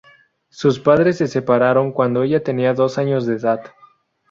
Sus padres se separaron cuando ella tenía dos años de edad.